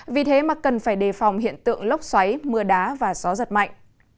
vì thế mà cần phải đề phòng hiện tượng lốc xoáy mưa đá và gió giật mạnh